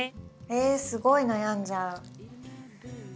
えすごい悩んじゃう。